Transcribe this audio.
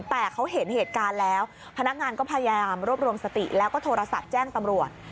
แต่เขาเห็นเหตุการณ์แล้วพนักงานก็พยายามรวบรวมสติแล้วก็โทรศัพท์แจ้งตำรวจ